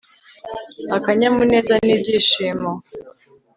akanyamuneza n'ibyishimo